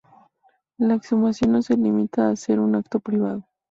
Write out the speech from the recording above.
La exhumación no se limita a ser un acto privado.